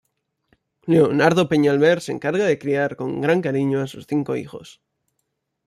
Leonardo Peñalver se encarga de criar con gran cariño a sus cinco hijos.